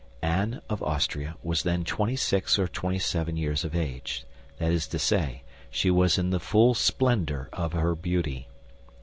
Anne of Austria was then twenty six or twenty seven years of age; that is to say, she was in the full splendor of her beauty.